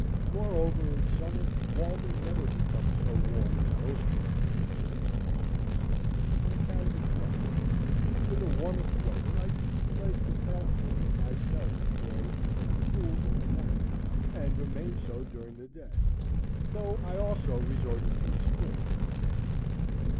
Moreover, in summer, Walden never becomes so warm as most water which is exposed to the sun, on account of its depth. In the warmest weather I usually placed a pailful in my cellar, where it became cool in the night, and remained so during the day; though I also resorted to a spring in the neighborhood.